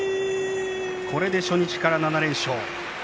これで初日から７連勝。